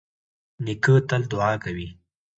نیکه تل دعا کوي.